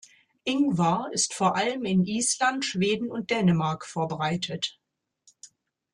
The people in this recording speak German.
Ingvar ist vor allem in Island, Schweden und Dänemark verbreitet.